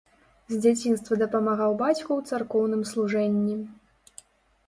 З дзяцінства дапамагаў бацьку ў царкоўным служэнні.